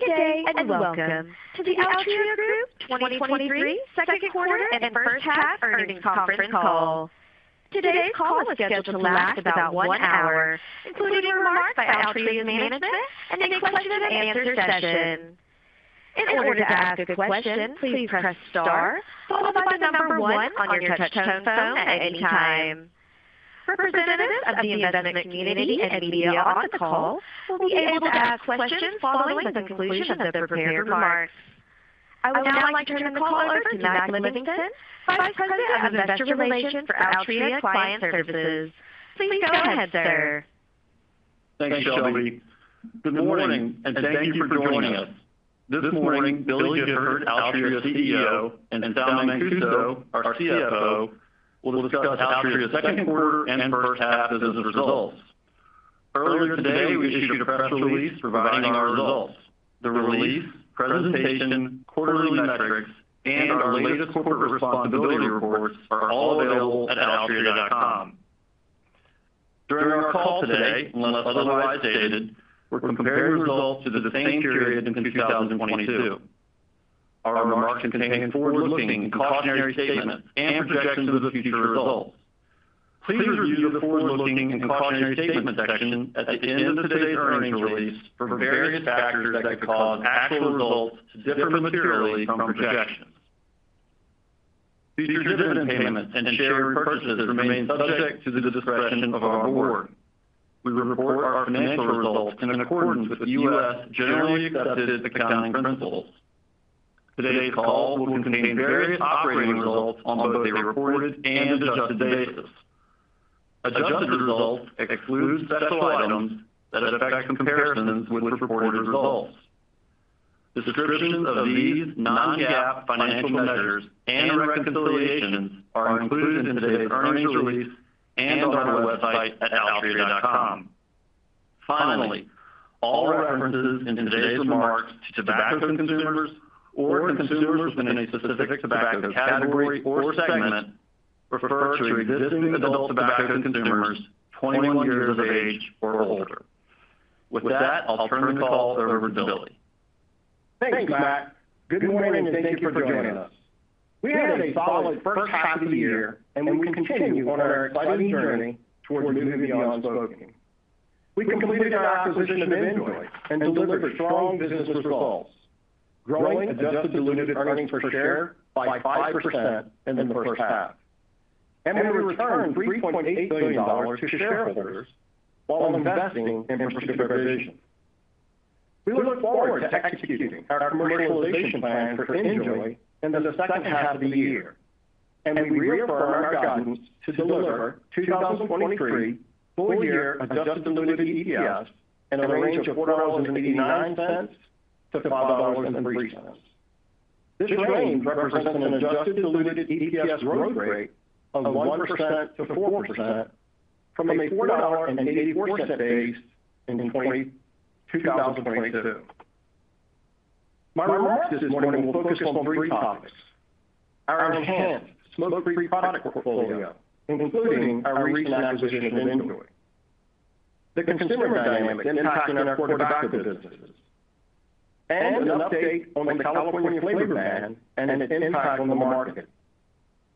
Good day, and welcome to the Altria Group 2023 second quarter and first half earnings conference call. Today's call is scheduled to last about one hour, including remarks by Altria management and a question and answer session. In order to ask a question, please press star, followed by the number one on your touchtone phone at any time. Representatives of the investment community and media on the call will be able to ask questions following the conclusion of the prepared remarks. I would now like to turn the call over to Mac Livingston, Vice President of Investor Relations for Altria Client Services. Please go ahead, sir. Thanks, Shelby. Good morning. Thank you for joining us. This morning, Billy Gifford, Altria CEO, and Sal Mancuso, our CFO, will discuss Altria's second quarter and first half business results. Earlier today, we issued a press release providing our results. The release, presentation, quarterly metrics, and our latest corporate responsibility reports are all available at altria.com. During our call today, unless otherwise stated, we're comparing results to the same period in 2022. Our remarks contain forward-looking precautionary statements and projections of future results. Please review the forward-looking and cautionary statement section at the end of today's earnings release for various factors that could cause actual results to differ materially from projections. Future dividend payments and share purchases remain subject to the discretion of our board. We report our financial results in accordance with U.S. generally accepted accounting principles. Today's call will contain various operating results on both a reported and adjusted basis. Adjusted results exclude special items that affect comparisons with reported results. Descriptions of these non-GAAP financial measures and reconciliations are included in today's earnings release and on our website at altria.com. Finally, all references in today's remarks to tobacco consumers or consumers within a specific tobacco category or segment refer to existing adult tobacco consumers, 21 years of age or older. With that, I'll turn the call over to Billy. Thanks, Matt. Good morning, and thank you for joining us. We had a solid first half of the year, and we continue on our exciting journey towards moving beyond smoking. We completed our acquisition of NJOY and delivered strong business results, growing adjusted diluted earnings per share by 5% in the first half, and we returned $3.8 billion to shareholders while investing in pursuit of our vision. We look forward to executing our commercialization plan for NJOY in the second half of the year, and we reaffirm our guidance to deliver 2023 full year adjusted diluted EPS in a range of $4.89-$5.03. This range represents an adjusted diluted EPS growth rate of 1%-4% from a $4.84 base in 2022. My remarks this morning will focus on three topics: our enhanced smoke-free product portfolio, including our recent acquisition of NJOY, the consumer dynamic impact on our tobacco businesses, and an update on the California flavor ban and its impact on the market.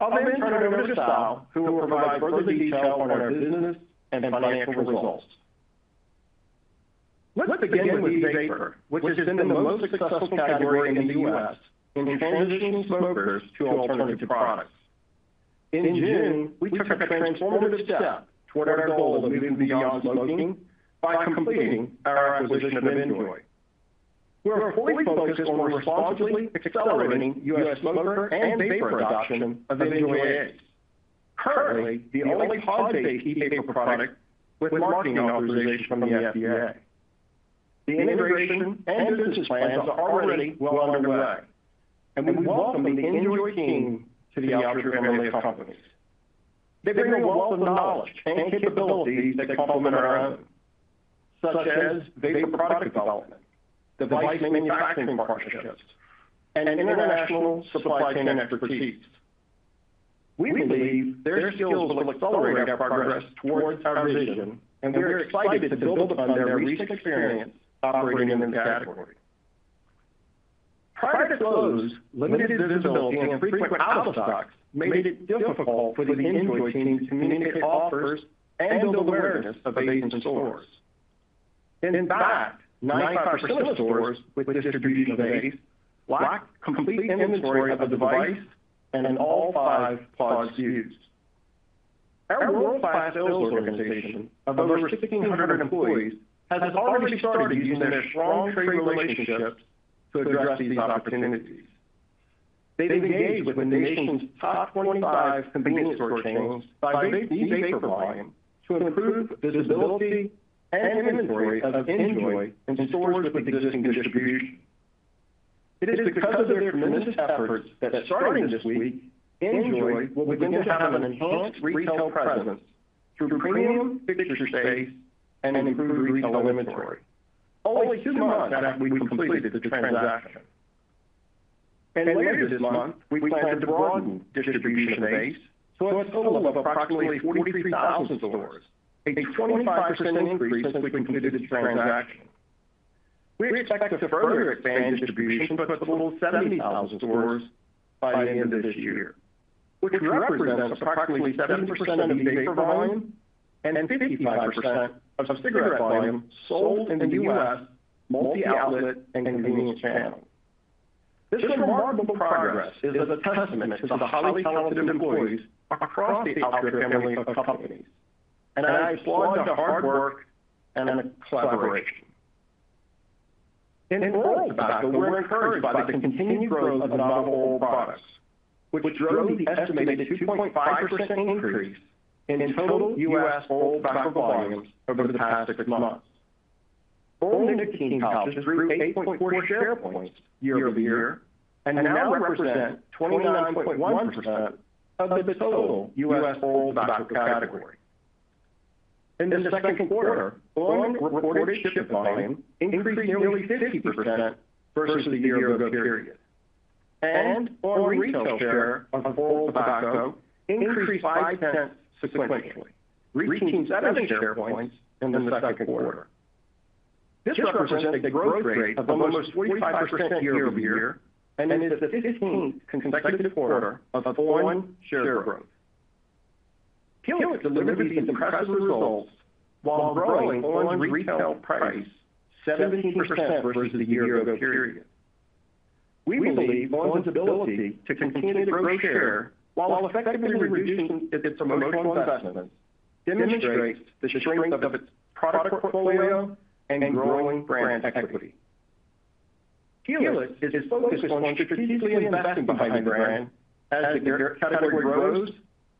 I'll turn it over to Sal, who will provide further detail on our business and financial results. Let's begin with e-vapor, which has been the most successful category in the U.S. in transitioning smokers to alternative products. In June, we took a transformative step toward our goal of moving beyond smoking by completing our acquisition of NJOY. We are fully focused on responsibly accelerating U.S. smoker and vapor adoption of NJOY ACE, currently the only pod-based e-vapor product with marketing authorization from the FDA. The integration and business plans are already well underway, and we welcome the NJOY team to the Altria family of companies. They bring a wealth of knowledge and capabilities that complement our own, such as vapor product development, device manufacturing partnerships, and international supply chain expertise. We believe their skills will accelerate our progress towards our vision, and we are excited to build upon their recent experience operating in this category. Prior to close, limited visibility and frequent out-of-stocks made it difficult for the NJOY team to communicate offers and build awareness of vape in stores. In fact, 95% of stores with distribution of NJOY ACE lacked complete inventory of the device and all 5 pod SKUs. Our world-class sales organization of over 1,600 employees has already started to use their strong trade relationships to address these opportunities. They've engaged with the nation's top 25 convenience store chains by vape e-vapor volume to improve visibility and inventory of NJOY in stores with existing distribution. It is because of their tremendous efforts that starting this week, NJOY will begin to have an enhanced retail presence through premium fixture space and improved retail inventory, only two months after we completed the transaction. Later this month, we plan to broaden distribution base to a total of approximately 43,000 stores, a 25% increase since we completed the transaction. We expect to further expand distribution to a total of 70,000 stores by the end of this year, which represents approximately 70% of the vapor volume and 55% of cigarette volume sold in the US multi-outlet and convenience channels. This remarkable progress is a testament to the highly talented employees across the Altria family of companies, and I applaud the hard work and the collaboration. In oral tobacco, we're encouraged by the continued growth of novel oral products, which drove the estimated 2.5% increase in total U.S. oral tobacco volumes over the past six months. on! nicotine pouches grew 8.4 share points year-over-year, and now represent 29.1% of the total U.S. oral tobacco category. In the second quarter, on! reported shipped volume increased nearly 50% versus the year ago period, and on! retail share of oral tobacco increased 0.5 sequentially, reaching seven share points in the second quarter. This represents a growth rate of almost 45% year-over-year, and is the fifteenth consecutive quarter of on! share growth. Qlys delivered these impressive results while growing on!'s retail price 17% versus the year ago period. We believe on!'s ability to continue to grow share while effectively reducing its promotional investments, demonstrates the strength of its product portfolio and growing brand equity. Altria is focused on strategically investing behind the brand as the category grows,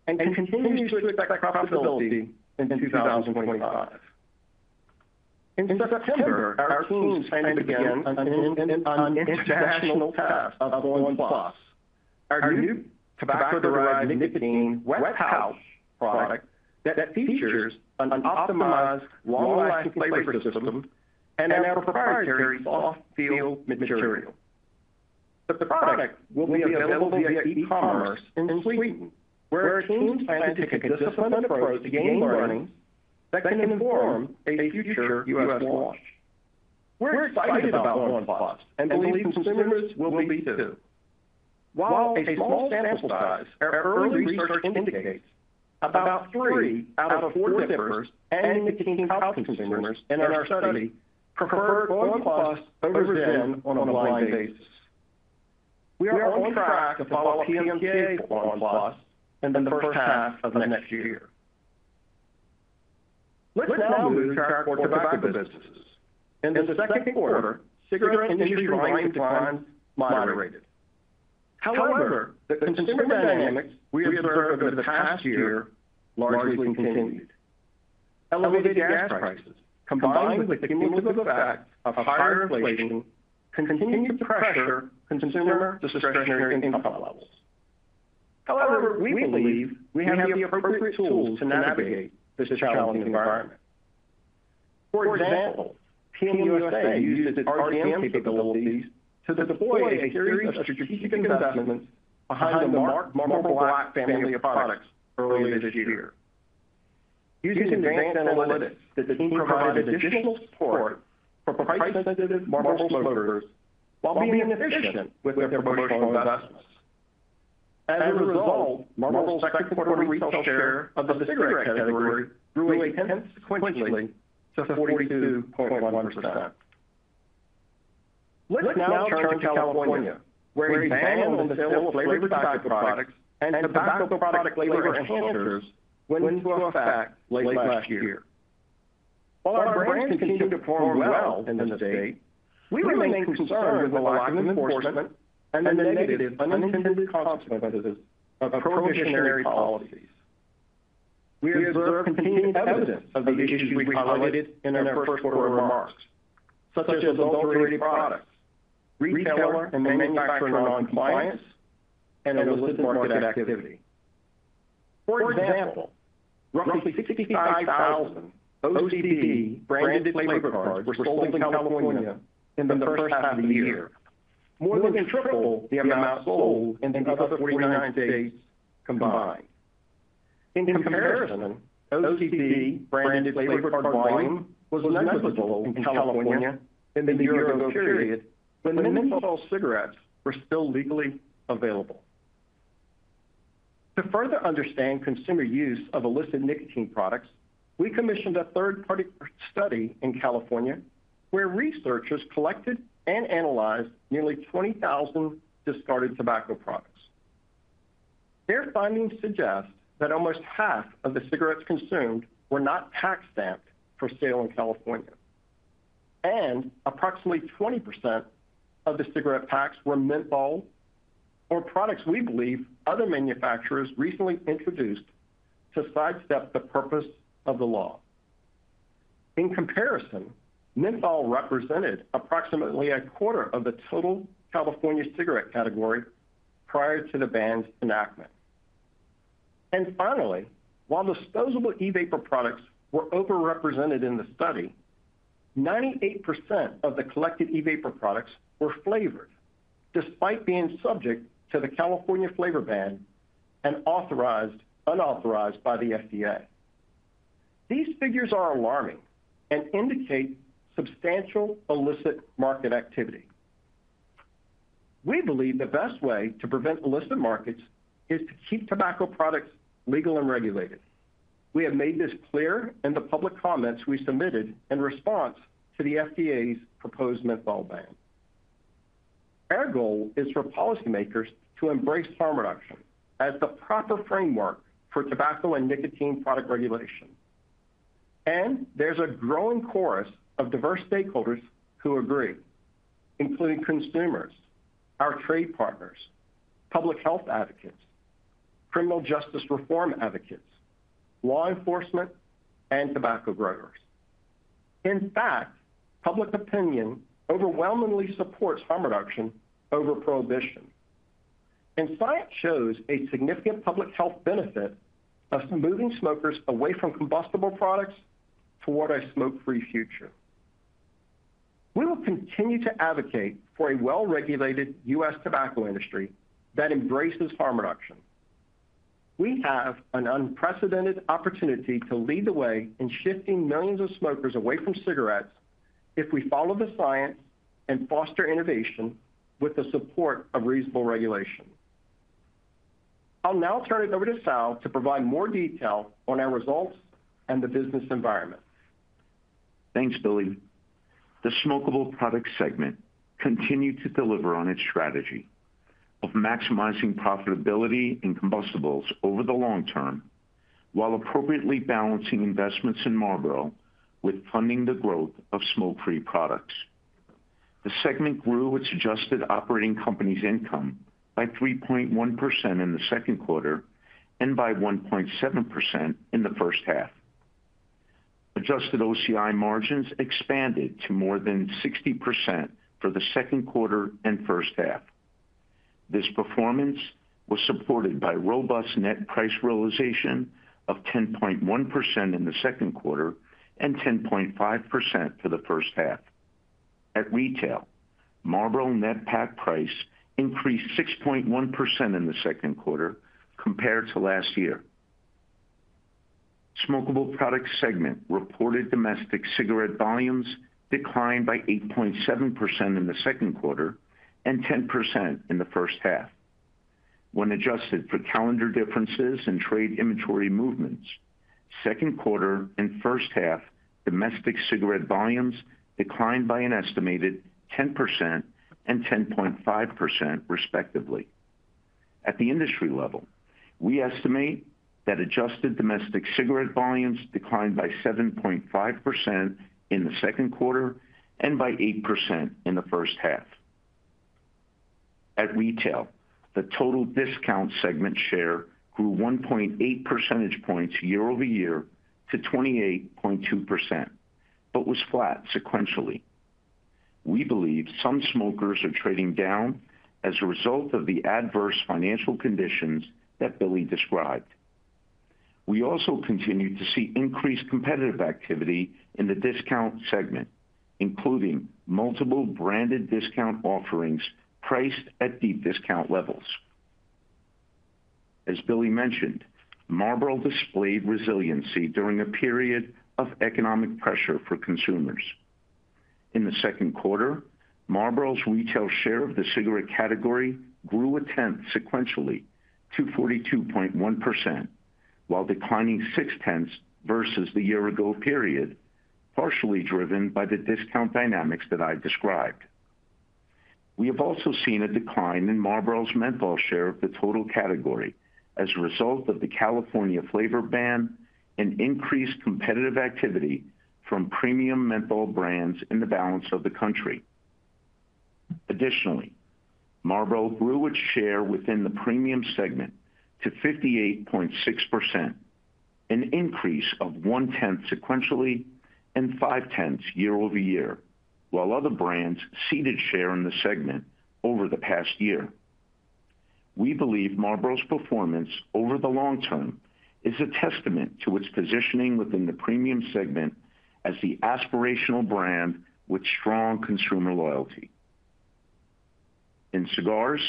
and continues to expect profitability in 2025. In September, our teams planned to begin an international test of on! PLUS, our new tobacco-derived nicotine wet pouch product that features an optimized long-lasting flavor system and our proprietary soft feel material. The product will be available via e-commerce in Sweden, where our teams plan to take a disciplined approach to gain learnings that can inform a future U.S. launch. We're excited about on! PLUS and believe consumers will be, too. While a small sample size, our early research indicates about three out of four dippers and nicotine pouch consumers in our study preferred on! PLUS over Zyn on a blind basis. We are on track to file a PMTA for on! PLUS in the first half of next year. Let's now move to our tobacco businesses. In the second quarter, cigarette industry volume declines moderated. However, the consumer dynamics we observed over the past year largely continued. Elevated gas prices, combined with the cumulative effect of higher inflation, continued to pressure consumer discretionary income levels. However, we believe we have the appropriate tools to navigate this challenging environment. For example, PM USA used its RCM capabilities to deploy a series of strategic investments behind the Marlboro Black family of products earlier this year. Using advanced analytics, the team provided additional support for price-sensitive Marlboro smokers while being efficient with their promotional investments. As a result, Marlboro's second quarter retail share of the cigarette category grew 0.1 sequentially to 42.1%. Let's now turn to California, where a ban on the sale of flavored tobacco products and tobacco product flavor enhancers went into effect late last year. While our brands continued to perform well in the state, we remain concerned with the lack of enforcement and the negative unintended consequences of prohibitionary policies. We observe continued evidence of the issues we highlighted in our first quarter remarks, such as adulterated products, retailer and manufacturer non-compliance, and illicit market activity. For example, roughly 65,000 OCP branded flavor cards were sold in California in the first half of the year, more than triple the amount sold in the other 49 states combined. In comparison, OCP branded flavored card volume was negligible in California in the year ago period, when menthol cigarettes were still legally available. To further understand consumer use of illicit nicotine products, we commissioned a third-party study in California, where researchers collected and analyzed nearly 20,000 discarded tobacco products. Their findings suggest that almost half of the cigarettes consumed were not tax-stamped for sale in California, and approximately 20% of the cigarette packs were menthol or products we believe other manufacturers recently introduced to sidestep the purpose of the law. In comparison, menthol represented approximately a quarter of the total California cigarette category prior to the ban's enactment. Finally, while disposable e-vapor products were overrepresented in the study, 98% of the collected e-vapor products were flavored, despite being subject to the California flavor ban and unauthorized by the FDA. These figures are alarming and indicate substantial illicit market activity. We believe the best way to prevent illicit markets is to keep tobacco products legal and regulated. We have made this clear in the public comments we submitted in response to the FDA's proposed menthol ban. Our goal is for policymakers to embrace harm reduction as the proper framework for tobacco and nicotine product regulation. There's a growing chorus of diverse stakeholders who agree, including consumers, our trade partners, public health advocates, criminal justice reform advocates, law enforcement, and tobacco growers. In fact, public opinion overwhelmingly supports harm reduction over prohibition. Science shows a significant public health benefit of moving smokers away from combustible products toward a smoke-free future. We will continue to advocate for a well-regulated US tobacco industry that embraces harm reduction. We have an unprecedented opportunity to lead the way in shifting millions of smokers away from cigarettes if we follow the science and foster innovation with the support of reasonable regulation. I'll now turn it over to Sal to provide more detail on our results and the business environment. Thanks, Billy. The smokable product segment continued to deliver on its strategy of maximizing profitability and combustibles over the long term, while appropriately balancing investments in Marlboro with funding the growth of smoke-free products. The segment grew its adjusted operating company's income by 3.1% in the second quarter and by 1.7% in the first half. Adjusted OCI margins expanded to more than 60% for the second quarter and first half. This performance was supported by robust net price realization of 10.1% in the second quarter and 10.5% for the first half. At retail, Marlboro net pack price increased 6.1% in the second quarter compared to last year. Smokable product segment reported domestic cigarette volumes declined by 8.7% in the second quarter and 10% in the first half. When adjusted for calendar differences and trade inventory movements, second quarter and first half domestic cigarette volumes declined by an estimated 10% and 10.5%, respectively. At the industry level, we estimate that adjusted domestic cigarette volumes declined by 7.5% in the second quarter and by 8% in the first half. At retail, the total discount segment share grew 1.8 percentage points year-over-year to 28.2%, but was flat sequentially. We believe some smokers are trading down as a result of the adverse financial conditions that Billy described. We also continue to see increased competitive activity in the discount segment, including multiple branded discount offerings priced at deep discount levels. As Billy mentioned, Marlboro displayed resiliency during a period of economic pressure for consumers. In the second quarter, Marlboro's retail share of the cigarette category grew 0.1 sequentially to 42.1%, while declining 0.6 versus the year-ago period, partially driven by the discount dynamics that I described. We have also seen a decline in Marlboro's menthol share of the total category as a result of the California flavor ban and increased competitive activity from premium menthol brands in the balance of the country. Additionally, Marlboro grew its share within the premium segment to 58.6%, an increase of 0.1 sequentially and 0.5 year-over-year, while other brands ceded share in the segment over the past year. We believe Marlboro's performance over the long term is a testament to its positioning within the premium segment as the aspirational brand with strong consumer loyalty. In cigars,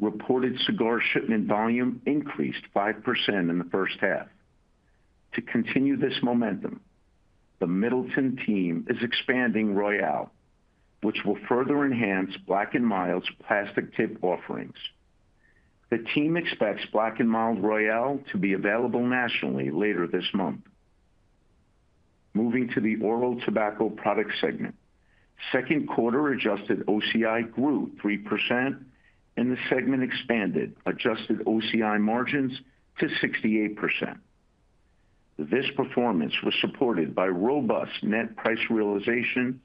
reported cigar shipment volume increased 5% in the first half. To continue this momentum, the Middleton team is expanding Royale, which will further enhance Black & Mild's plastic tip offerings. The team expects Black & Mild Royale to be available nationally later this month. Moving to the oral tobacco product segment, second quarter adjusted OCI grew 3%, and the segment expanded adjusted OCI margins to 68%. This performance was supported by robust net price realization,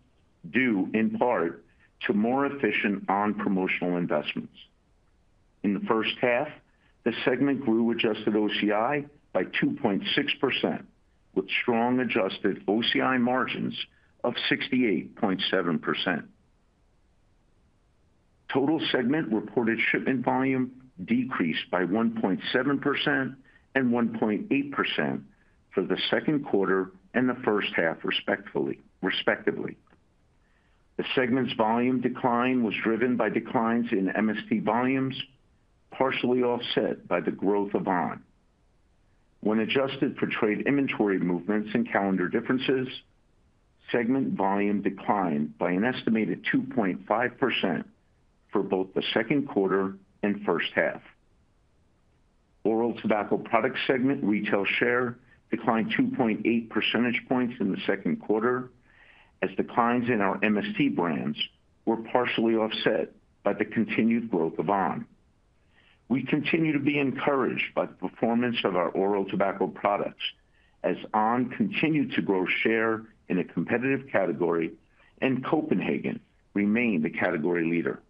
due in part to more efficient on! promotional investments. In the first half, the segment grew adjusted OCI by 2.6%, with strong adjusted OCI margins of 68.7%. Total segment reported shipment volume decreased by 1.7% and 1.8% for the second quarter and the first half, respectfully, respectively. The segment's volume decline was driven by declines in MST volumes, partially offset by the growth of on!. When adjusted for trade inventory movements and calendar differences, segment volume declined by an estimated 2.5% for both the second quarter and first half. Oral tobacco products segment retail share declined 2.8 percentage points in the second quarter, as declines in our MST brands were partially offset by the continued growth of on!. We continue to be encouraged by the performance of our oral tobacco products as on! continued to grow share in a competitive category, and Copenhagen remained the category leader.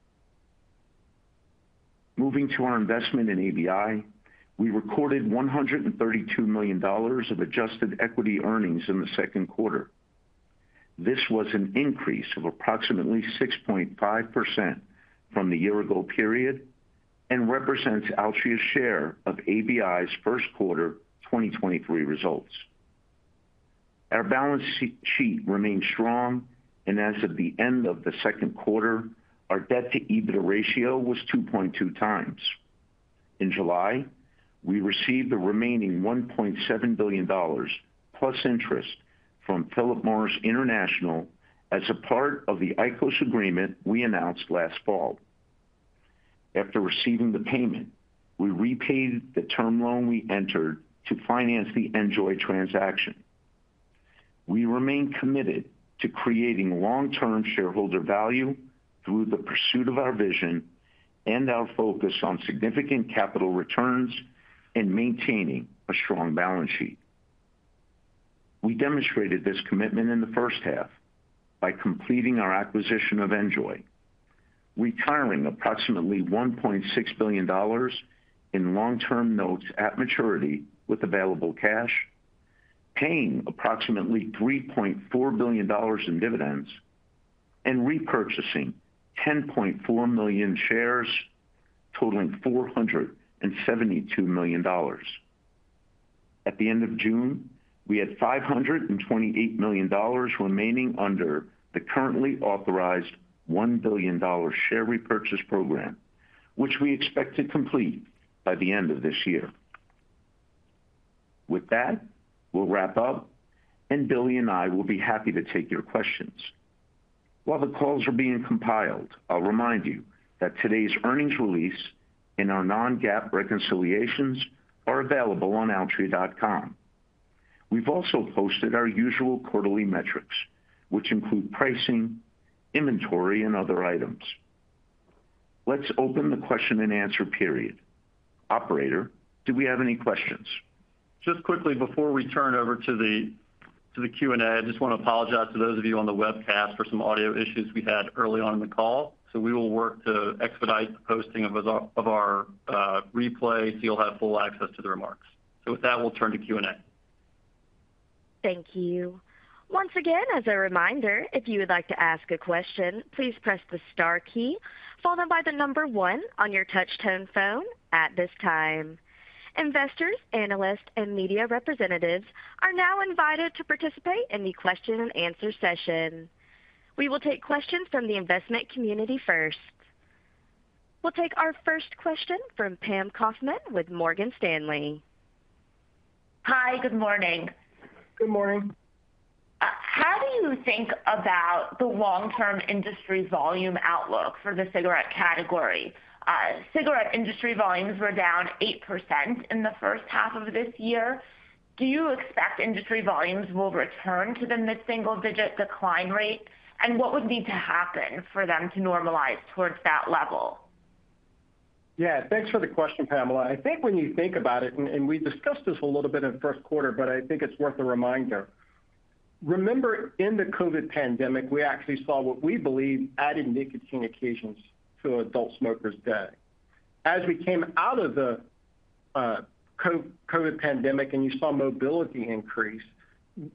Moving to our investment in ABI, we recorded $132 million of adjusted equity earnings in the second quarter. This was an increase of approximately 6.5% from the year ago period, and represents Altria's share of ABI's first quarter 2023 results. Our balance sheet remains strong, and as of the end of the second quarter, our debt to EBITDA ratio was 2.2 times. In July, we received the remaining $1.7 billion plus interest from Philip Morris International as a part of the IQOS agreement we announced last fall. After receiving the payment, we repaid the term loan we entered to finance the NJOY transaction. We remain committed to creating long-term shareholder value through the pursuit of our vision and our focus on significant capital returns and maintaining a strong balance sheet. We demonstrated this commitment in the first half by completing our acquisition of NJOY, retiring approximately $1.6 billion in long-term notes at maturity with available cash, paying approximately $3.4 billion in dividends, and repurchasing 10.4 million shares, totaling $472 million. At the end of June, we had $528 million remaining under the currently authorized $1 billion share repurchase program, which we expect to complete by the end of this year. With that, we'll wrap up, and Billy and I will be happy to take your questions. While the calls are being compiled, I'll remind you that today's earnings release and our non-GAAP reconciliations are available on altria.com. We've also posted our usual quarterly metrics, which include pricing, inventory, and other items. Let's open the question and answer period. Operator, do we have any questions? Just quickly, before we turn over to the Q&A, I just want to apologize to those of you on the webcast for some audio issues we had early on in the call. We will work to expedite the posting of our replay, so you'll have full access to the remarks. With that, we'll turn to Q&A. Thank you. Once again, as a reminder, if you would like to ask a question, please press the star key followed by the 1 on your touch tone phone at this time. Investors, analysts, and media representatives are now invited to participate in the question and answer session. We will take questions from the investment community first. We'll take our first question from Pamela Kaufman with Morgan Stanley. Hi, good morning. Good morning. How do you think about the long-term industry volume outlook for the cigarette category? Cigarette industry volumes were down 8% in the first half of this year. Do you expect industry volumes will return to the mid-single-digit decline rate? What would need to happen for them to normalize towards that level? Thanks for the question, Pamela. I think when you think about it, and we discussed this a little bit in the first quarter, but I think it's worth a reminder. Remember, in the COVID pandemic, we actually saw what we believe added nicotine occasions to adult smokers' day. As we came out of the COVID pandemic and you saw mobility increase,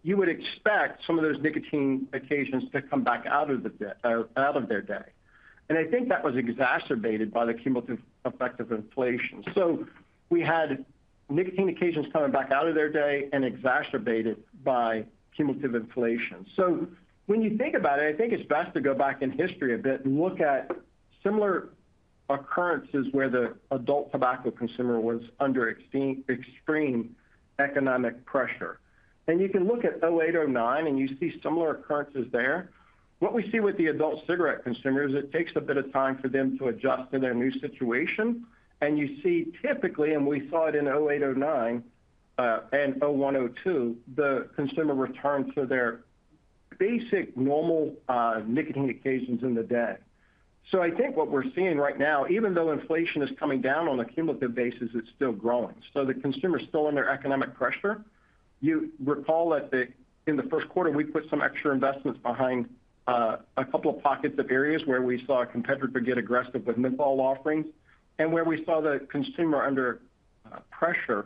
you would expect some of those nicotine occasions to come back out of the day, or out of their day. I think that was exacerbated by the cumulative effect of inflation. We had nicotine occasions coming back out of their day and exacerbated by cumulative inflation. When you think about it, I think it's best to go back in history a bit and look at similar occurrences where the adult tobacco consumer was under extreme economic pressure. You can look at 2008, 2009, and you see similar occurrences there. What we see with the adult cigarette consumer is it takes a bit of time for them to adjust to their new situation, and you see typically, and we saw it in 2008, 2009, and 2001, 2002, the consumer return to their basic normal nicotine occasions in the day. I think what we're seeing right now, even though inflation is coming down on a cumulative basis, it's still growing, so the consumer is still under economic pressure. You recall that in the first quarter, we put some extra investments behind a couple of pockets of areas where we saw competitors get aggressive with menthol offerings and where we saw the consumer under pressure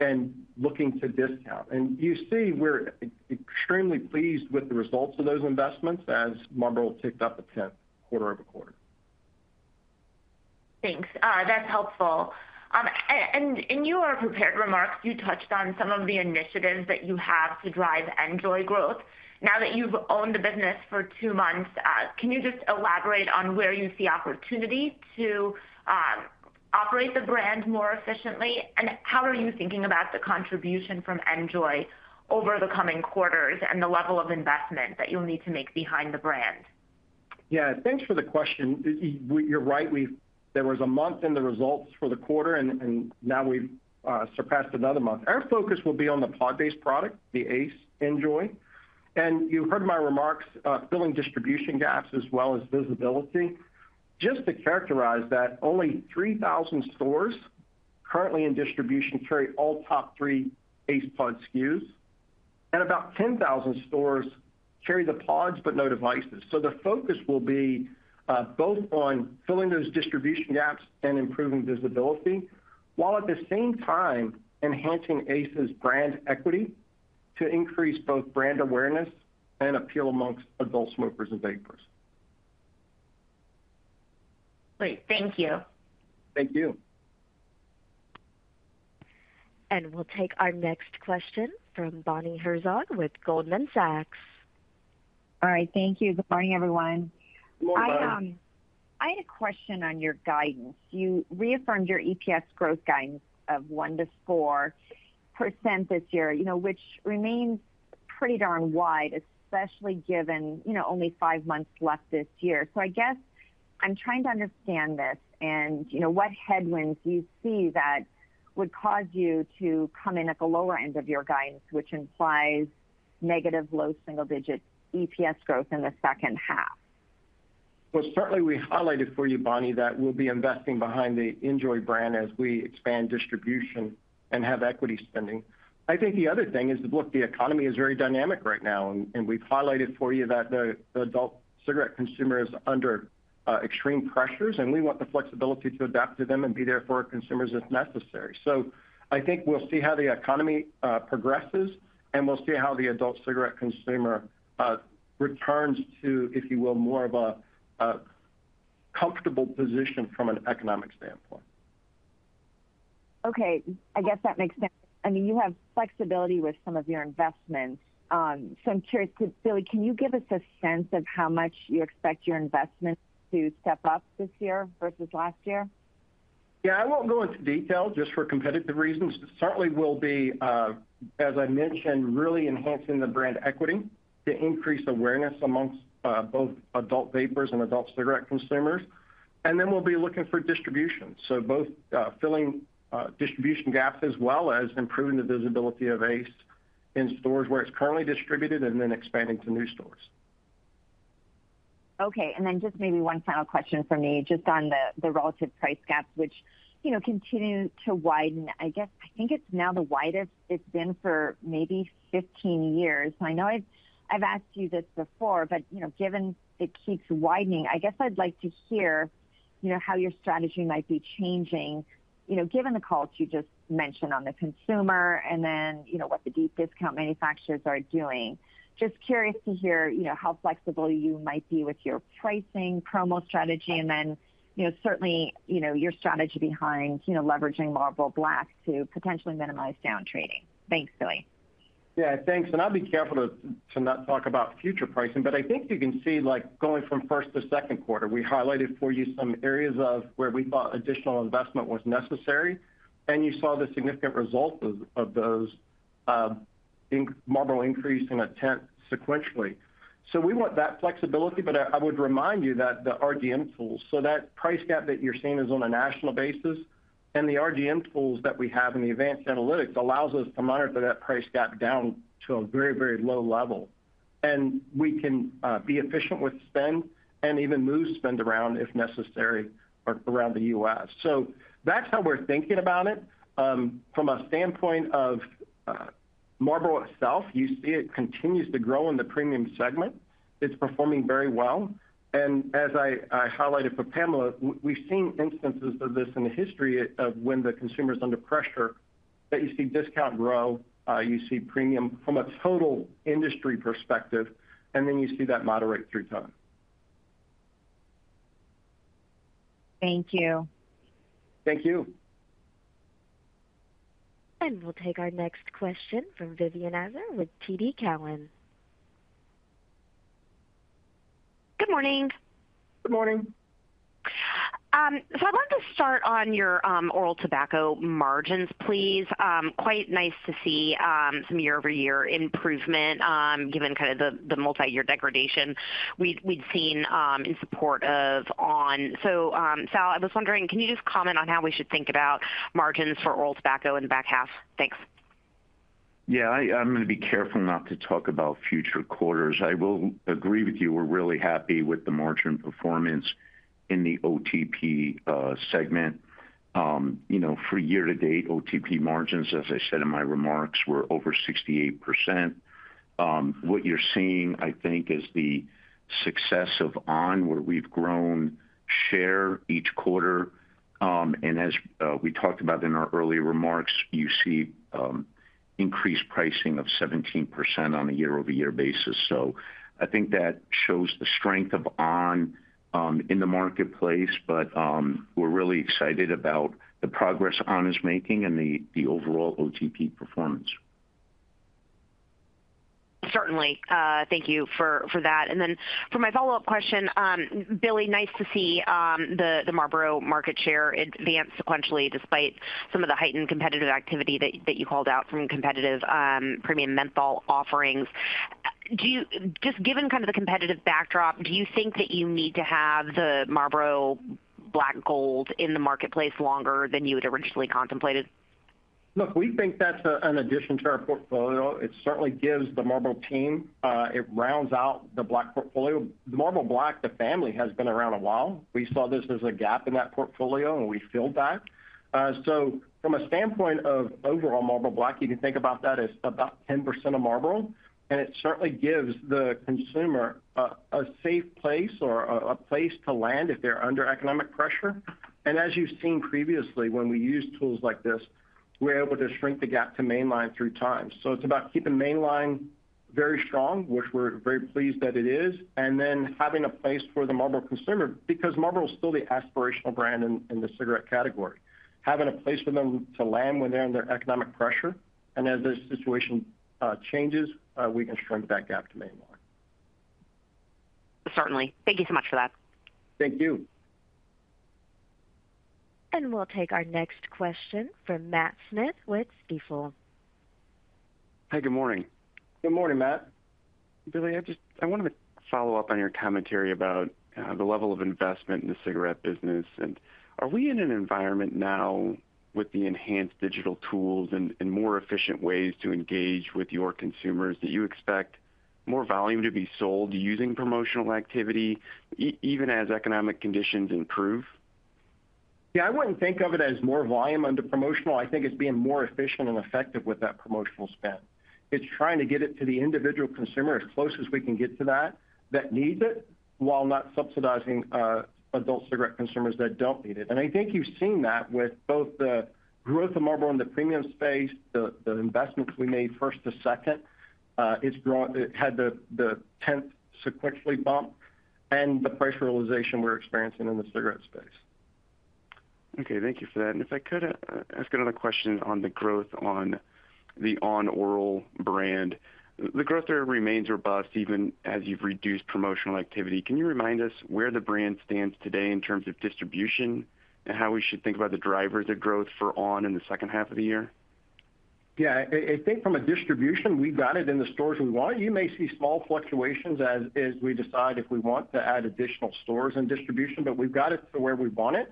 and looking to discount. You see, we're extremely pleased with the results of those investments as Marlboro ticked up a tenth, quarter-over-quarter. Thanks. That's helpful. In your prepared remarks, you touched on some of the initiatives that you have to drive NJOY growth. Now that you've owned the business for two months, can you just elaborate on where you see opportunity to operate the brand more efficiently? How are you thinking about the contribution from NJOY over the coming quarters, and the level of investment that you'll need to make behind the brand? Yeah, thanks for the question. You, you're right, we've. There was a month in the results for the quarter. Now we've surpassed another month. Our focus will be on the pod-based product, the ACE NJOY. You heard my remarks about filling distribution gaps as well as visibility. Just to characterize that, only 3,000 stores currently in distribution carry all top three ACE pod SKUs, and about 10,000 stores carry the pods, but no devices. The focus will be both on filling those distribution gaps and improving visibility, while at the same time enhancing ACE's brand equity to increase both brand awareness and appeal amongst adult smokers and vapers. Great. Thank you. Thank you. We'll take our next question from Bonnie Herzog with Goldman Sachs. All right, thank you. Good morning, everyone. Good morning. I, I had a question on your guidance. You reaffirmed your EPS growth guidance of 1%-4% this year, you know, which remains pretty darn wide, especially given, you know, only five months left this year. I guess I'm trying to understand this and, you know, what headwinds you see that would cause you to come in at the lower end of your guidance, which implies negative low single-digit EPS growth in the second half? Certainly, we highlighted for you, Bonnie, that we'll be investing behind the NJOY brand as we expand distribution and have equity spending. I think the other thing is, look, the economy is very dynamic right now, and, and we've highlighted for you that the, the adult cigarette consumer is under extreme pressures, and we want the flexibility to adapt to them and be there for our consumers if necessary. I think we'll see how the economy progresses, and we'll see how the adult cigarette consumer returns to, if you will, more of a, a comfortable position from an economic standpoint. Okay, I guess that makes sense. I mean, you have flexibility with some of your investments. I'm curious, Billy, can you give us a sense of how much you expect your investments to step up this year versus last year? Yeah, I won't go into detail, just for competitive reasons. Certainly, we'll be, as I mentioned, really enhancing the brand equity to increase awareness amongst both adult vapers and adult cigarette consumers. Then we'll be looking for distribution. Both, filling distribution gaps as well as improving the visibility of ACE in stores where it's currently distributed, and then expanding to new stores. Okay, just maybe one final question from me, just on the, the relative price gaps, which, you know, continue to widen. I guess, I think it's now the widest it's been for maybe 15 years. I know I've, I've asked you this before. You know, given it keeps widening, I guess I'd like to hear, you know, how your strategy might be changing, you know, given the calls you just mentioned on the consumer, and then, you know, what the deep discount manufacturers are doing. Just curious to hear, you know, how flexible you might be with your pricing, promo strategy, and then, you know, certainly, you know, your strategy behind, you know, leveraging Marlboro Black to potentially minimize down trading. Thanks, Billy. Yeah, thanks. I'll be careful to, to not talk about future pricing, but I think you can see, like, going from first to second quarter, we highlighted for you some areas of where we thought additional investment was necessary, and you saw the significant results of, of those, in Marlboro increased in a tenth sequentially. We want that flexibility, but I, I would remind you that the RDM tools, so that price gap that you're seeing is on a national basis, and the RDM tools that we have in the advanced analytics allows us to monitor that price gap down to a very, very low level. We can, be efficient with spend and even move spend around if necessary, or around the US. That's how we're thinking about it. From a standpoint of Marlboro itself, you see it continues to grow in the premium segment. It's performing very well. As I, I highlighted for Pamela, we've seen instances of this in the history of when the consumer is under pressure, that you see discount grow, you see premium from a total industry perspective, and then you see that moderate through time. Thank you. Thank you. We'll take our next question from Vivien Azer with TD Cowen. Good morning. Good morning. I'd like to start on your oral tobacco margins, please. Quite nice to see some year-over-year improvement given kind of the multiyear degradation we'd seen in support of on!. Sal, I was wondering, can you just comment on how we should think about margins for oral tobacco in the back half? Thanks. I, I'm going to be careful not to talk about future quarters. I will agree with you, we're really happy with the margin performance in the OTP segment. You know, for year to date, OTP margins, as I said in my remarks, were over 68%. What you're seeing, I think, is the success of ON, where we've grown-... share each quarter. As we talked about in our earlier remarks, you see increased pricing of 17% on a year-over-year basis. I think that shows the strength of On in the marketplace. We're really excited about the progress On is making and the overall OTP performance. Certainly. Thank you for, for that. For my follow-up question, Billy, nice to see the Marlboro market share advance sequentially, despite some of the heightened competitive activity that, that you called out from competitive, premium menthol offerings. Just given kind of the competitive backdrop, do you think that you need to have the Marlboro Black Gold in the marketplace longer than you had originally contemplated? Look, we think that's an addition to our portfolio. It certainly gives the Marlboro team, it rounds out the Black portfolio. The Marlboro Black, the family, has been around a while. We saw this as a gap in that portfolio, and we filled that. So from a standpoint of overall Marlboro Black, you can think about that as about 10% of Marlboro, and it certainly gives the consumer a safe place or a place to land if they're under economic pressure. And as you've seen previously, when we use tools like this, we're able to shrink the gap to Mainline through time. It's about keeping Mainline very strong, which we're very pleased that it is, and then having a place for the Marlboro consumer, because Marlboro is still the aspirational brand in the cigarette category. Having a place for them to land when they're under economic pressure, and as the situation changes, we can shrink that gap to Mainline. Certainly. Thank you so much for that. Thank you. We'll take our next question from Matthew Smith with Stifel. Hi, good morning. Good morning, Matt. Billy, I wanted to follow up on your commentary about, the level of investment in the cigarette business, and are we in an environment now with the enhanced digital tools and, and more efficient ways to engage with your consumers, that you expect more volume to be sold using promotional activity even as economic conditions improve? Yeah, I wouldn't think of it as more volume under promotional. I think it's being more efficient and effective with that promotional spend. It's trying to get it to the individual consumer, as close as we can get to that, that needs it, while not subsidizing adult cigarette consumers that don't need it. I think you've seen that with both the growth of Marlboro in the premium space, the investments we made first to second. It had the tenth sequentially bump and the price realization we're experiencing in the cigarette space. Okay, thank you for that. If I could ask another question on the growth on the on! oral brand. The growth there remains robust, even as you've reduced promotional activity. Can you remind us where the brand stands today in terms of distribution, and how we should think about the drivers of growth for on! in the second half of the year? Yeah, I, I think from a distribution, we've got it in the stores we want. You may see small fluctuations as, as we decide if we want to add additional stores and distribution, but we've got it to where we want it.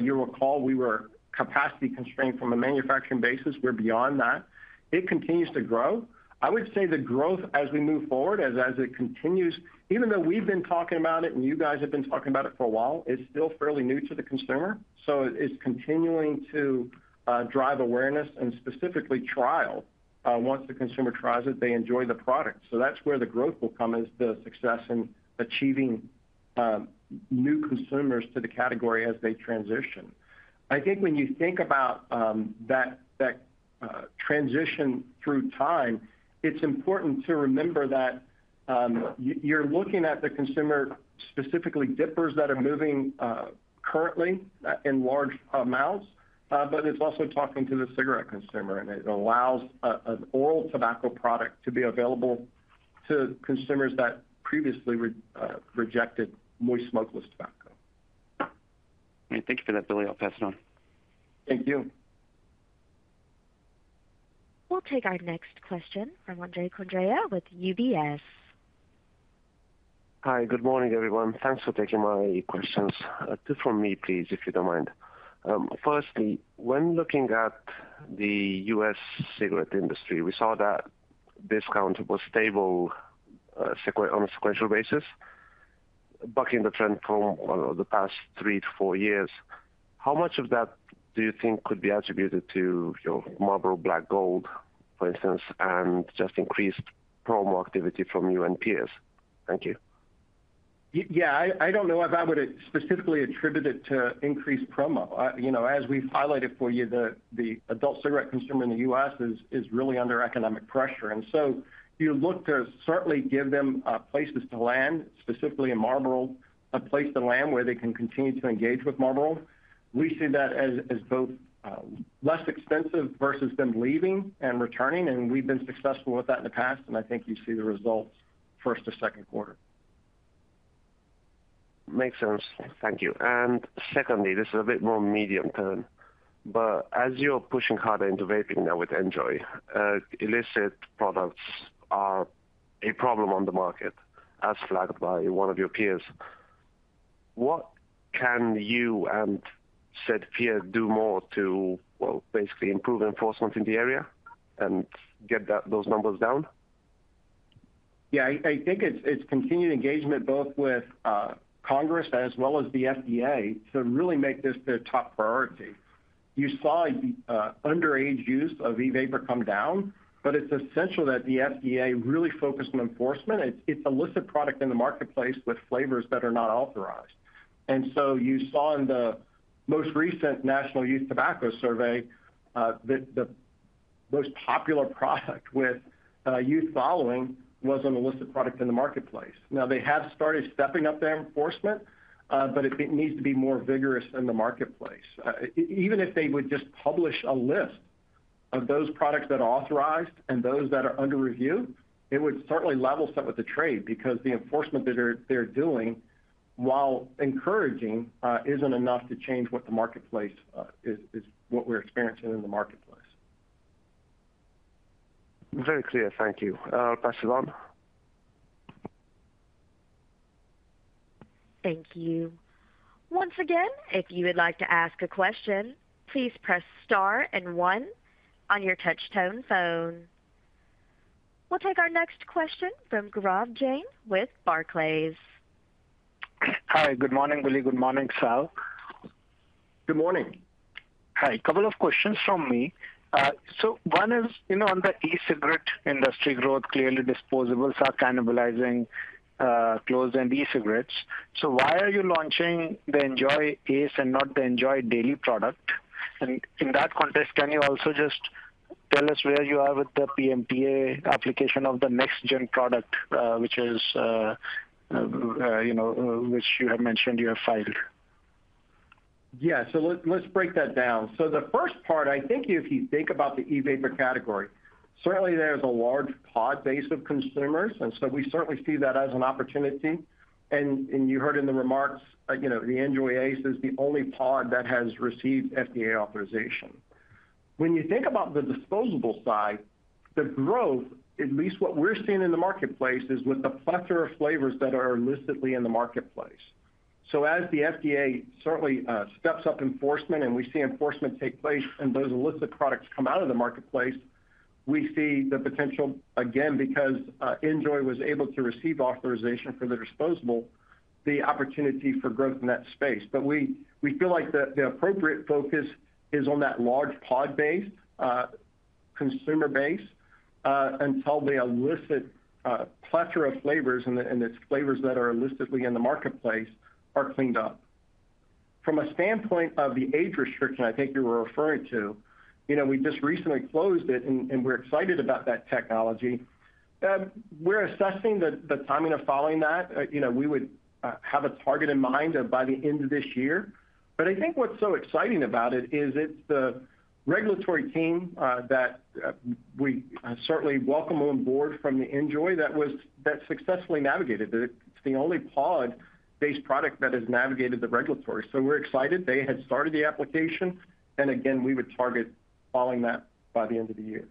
You'll recall we were capacity constrained from a manufacturing basis. We're beyond that. It continues to grow. I would say the growth as we move forward, as, as it continues, even though we've been talking about it and you guys have been talking about it for a while, it's still fairly new to the consumer, so it's continuing to drive awareness and specifically trial. Once the consumer tries it, they enjoy the product. That's where the growth will come, is the success in achieving new consumers to the category as they transition. I think when you think about, that, that, transition through time, it's important to remember that, you, you're looking at the consumer, specifically dippers that are moving, currently, in large amounts, but it's also talking to the cigarette consumer, and it allows a, an oral tobacco product to be available to consumers that previously rejected moist smokeless tobacco. Thank you for that, Billy. I'll pass it on. Thank you. We'll take our next question from Andrei Condrea with UBS. Hi, good morning, everyone. Thanks for taking my questions. Two from me, please, if you don't mind. Firstly, when looking at the U.S. cigarette industry, we saw that discount was stable, sequen- on a sequential basis, bucking the trend from the past three to four years. How much of that do you think could be attributed to your Marlboro Black Gold, for instance, and just increased promo activity from you and peers? Thank you. Yeah, I, I don't know if I would specifically attribute it to increased promo. You know, as we've highlighted for you, the, the adult cigarette consumer in the US is, is really under economic pressure. So you look to certainly give them places to land, specifically in Marlboro, a place to land where they can continue to engage with Marlboro. We see that as, as both less expensive versus them leaving and returning. We've been successful with that in the past. I think you see the results first to second quarter. Makes sense. Thank you. Secondly, this is a bit more medium term, but as you're pushing harder into vaping now with NJOY, illicit products are a problem on the market, as flagged by one of your peers. What can you and said peer do more to, well, basically improve enforcement in the area and get that, those numbers down? Yeah, I, I think it's, it's continued engagement both with Congress as well as the FDA to really make this their top priority. You saw underage use of e-vapor come down, but it's essential that the FDA really focus on enforcement. It's, it's illicit product in the marketplace with flavors that are not authorized. You saw in the most recent National Youth Tobacco Survey that the most popular product with youth following was an illicit product in the marketplace. Now they have started stepping up their enforcement, but it needs to be more vigorous in the marketplace. Even if they would just publish a list of those products that are authorized and those that are under review, it would certainly level set with the trade because the enforcement that they're doing, while encouraging, isn't enough to change what the marketplace is what we're experiencing in the marketplace. Very clear. Thank you. I'll pass it on. Thank you. Once again, if you would like to ask a question, please press star and one on your touch tone phone. We'll take our next question from Gaurav Jain with Barclays. Hi, good morning, Billy. Good morning, Sal. Good morning. Hi. A couple of questions from me. One is, you know, on the e-cigarette industry growth, clearly disposables are cannibalizing, close and e-cigarettes. Why are you launching the NJOY ACE and not the NJOY Daily product? In that context, can you also just tell us where you are with the PMTA application of the next gen product, you know, which you have mentioned you have filed? Let's break that down. The first part, I think if you think about the e-vapor category, certainly there's a large pod base of consumers, and so we certainly see that as an opportunity. You heard in the remarks, you know, the NJOY ACE is the only pod that has received FDA authorization. When you think about the disposable side, the growth, at least what we're seeing in the marketplace, is with the plethora of flavors that are illicitly in the marketplace. As the FDA certainly steps up enforcement and we see enforcement take place and those illicit products come out of the marketplace, we see the potential, again, because NJOY was able to receive authorization for the disposable, the opportunity for growth in that space. We feel like the appropriate focus is on that large pod base, consumer base, until the illicit plethora of flavors and the flavors that are illicitly in the marketplace are cleaned up. From a standpoint of the age restriction I think you were referring to, you know, we just recently closed it and we're excited about that technology. We're assessing the timing of following that. You know, we would have a target in mind of by the end of this year. I think what's so exciting about it is it's the regulatory team that we certainly welcome on board from the NJOY that successfully navigated it. It's the only pod-based product that has navigated the regulatory. We're excited they had started the application, and again, we would target following that by the end of the year.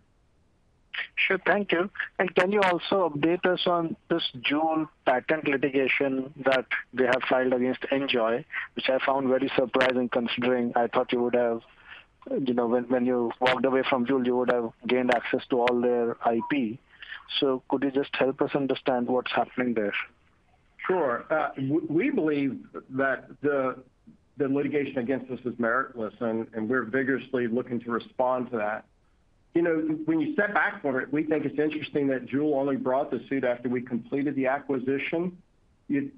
Sure. Thank you. Can you also update us on this Juul patent litigation that they have filed against NJOY, which I found very surprising, considering I thought you would have, you know, when, when you walked away from Juul, you would have gained access to all their IP? Could you just help us understand what's happening there? Sure. we, we believe that the, the litigation against us is meritless, and, and we're vigorously looking to respond to that. You know, when you step back from it, we think it's interesting that Juul only brought the suit after we completed the acquisition. The,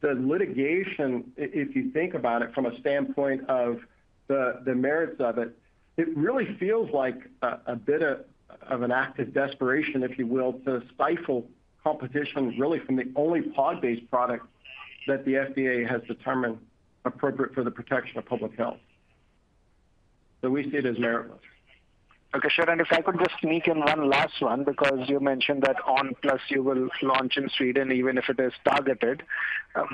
the litigation, if you think about it from a standpoint of the, the merits of it, it really feels like a, a bit of, of an act of desperation, if you will, to stifle competition really from the only pod-based product that the FDA has determined appropriate for the protection of public health. We see it as meritless. Okay, sure. If I could just sneak in one last one, because you mentioned that on! PLUS you will launch in Sweden, even if it is targeted,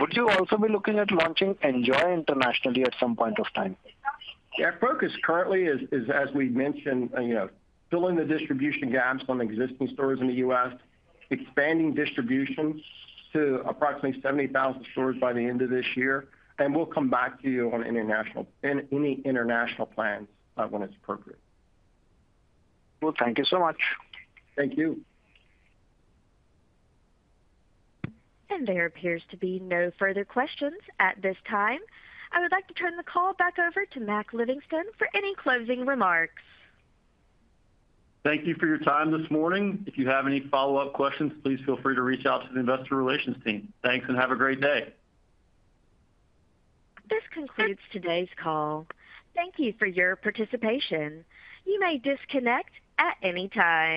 would you also be looking at launching NJOY internationally at some point of time? Yeah, our focus currently is, is, as we've mentioned, you know, filling the distribution gaps on existing stores in the US, expanding distribution to approximately 70,000 stores by the end of this year, and we'll come back to you on international- any international plans, when it's appropriate. Well, thank you so much. Thank you. There appears to be no further questions at this time. I would like to turn the call back over to Mac Livingston for any closing remarks. Thank you for your time this morning. If you have any follow-up questions, please feel free to reach out to the investor relations team. Thanks and have a great day. This concludes today's call. Thank you for your participation. You may disconnect at any time.